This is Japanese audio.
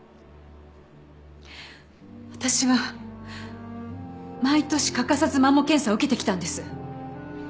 私は毎年欠かさずマンモ検査を受けてきたんです。